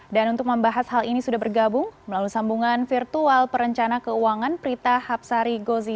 dan untuk membahas hal ini sudah bergabung melalui sambungan virtual perencanaan keuangan prita hapsari gozi